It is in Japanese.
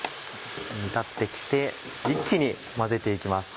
煮立って来て一気に混ぜて行きます。